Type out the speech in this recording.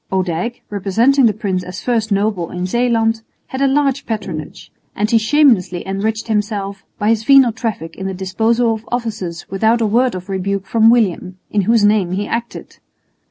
Odijk, representing the prince as first noble in Zeeland, had a large patronage; and he shamelessly enriched himself by his venal traffic in the disposal of offices without a word of rebuke from William, in whose name he acted.